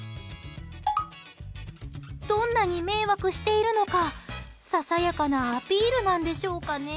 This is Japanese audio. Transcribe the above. どんなに迷惑しているのかささやかなアピールなんでしょうかね。